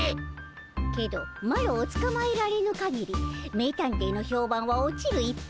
けどマロをつかまえられぬかぎり名探偵の評判は落ちる一方。